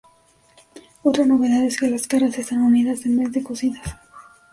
Otra novedad es que las caras están unidas en vez de cosidas.